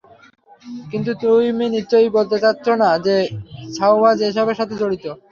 কিন্তু তুমি নিশ্চয়ই বলতে চাচ্ছ না যে, সাওভ্যাজ এসবের সাথে জড়িত?